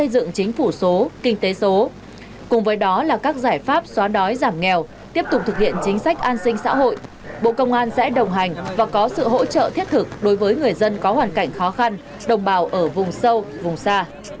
với đó là các giải pháp xóa đói giảm nghèo tiếp tục thực hiện chính sách an sinh xã hội bộ công an sẽ đồng hành và có sự hỗ trợ thiết thực đối với người dân có hoàn cảnh khó khăn đồng bào ở vùng sâu vùng xa